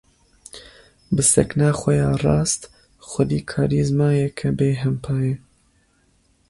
Bi sekna xwe ya rast, xwedî karîzmayeke bêhempa ye.